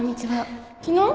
昨日？